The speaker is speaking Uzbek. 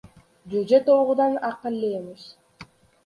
• Jo‘ja tovuqdan aqlli emish.